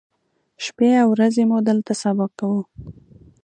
شپې او ورځې مو دلته سبا کوو.